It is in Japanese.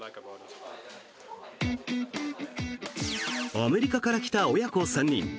アメリカから来た親子３人。